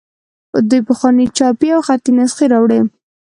دوی پخوانۍ چاپي او خطي نسخې راوړي.